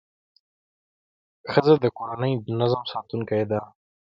ښځه د کورنۍ د نظم ساتونکې ده.